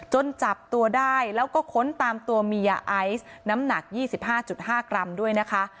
จับตัวได้แล้วก็ค้นตามตัวมียาไอซ์น้ำหนัก๒๕๕กรัมด้วยนะคะ